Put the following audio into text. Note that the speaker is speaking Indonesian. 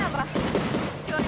yang paling berkesan apa